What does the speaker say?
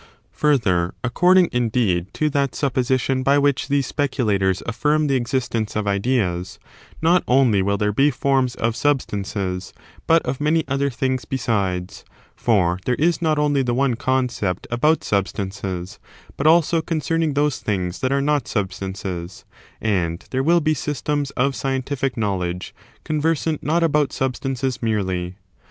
Further, according, indeed, to that supposition ^ by which these speculators affirm the existence tency in this of ideas, not only will there be forms of sub ^^^^^^ jj^ stances, but of many other things besides; for forms to be there is not only the one concept^ about substances p*^*®^p*°*«* but also concerning those things that are not substances, and there wiQ be systems of scientific knowledge conversant not about substance merely.